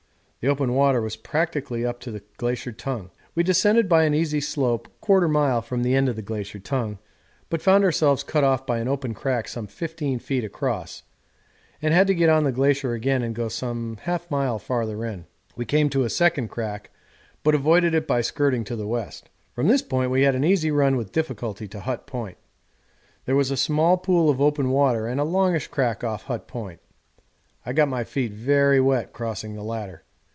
The open water was practically up to the Glacier Tongue. We descended by an easy slope 1/4 mile from the end of the Glacier Tongue, but found ourselves cut off by an open crack some 15 feet across and had to get on the glacier again and go some 1/2 mile farther in. We came to a second crack, but avoided it by skirting to the west. From this point we had an easy run without difficulty to Hut Point. There was a small pool of open water and a longish crack off Hut Point. I got my feet very wet crossing the latter.